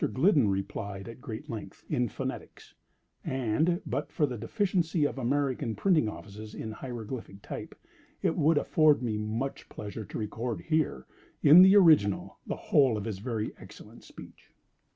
Gliddon replied at great length, in phonetics; and but for the deficiency of American printing offices in hieroglyphical type, it would afford me much pleasure to record here, in the original, the whole of his very excellent speech.